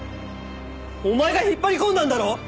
お前が引っ張り込んだんだろ！